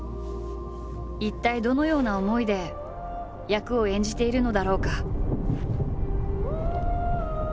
一体どのような思いで役を演じているのだろうか。